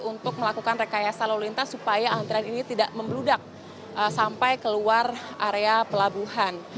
untuk melakukan rekayasa lalu lintas supaya antrian ini tidak membeludak sampai keluar area pelabuhan